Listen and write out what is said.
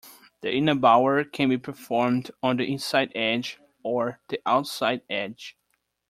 The Ina Bauer can be performed on the inside edge or the outside edge.